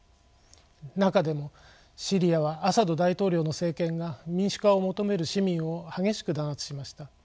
中でもシリアはアサド大統領の政権が民主化を求める市民を激しく弾圧しました。